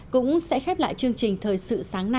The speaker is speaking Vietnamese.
cũng sẽ khép lại chương trình thời sự